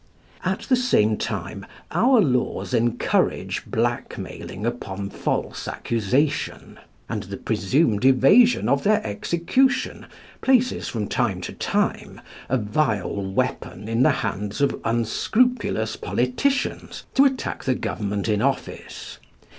At the same time our laws encourage blackmailing upon false accusation; and the presumed evasion of their execution places from time to time a vile weapon in the hands of unscrupulous politicians, to attack the Government in office.